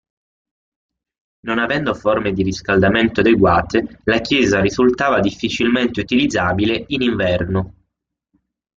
Non avendo forme di riscaldamento adeguate, la chiesa risultava difficilmente utilizzabile in inverno.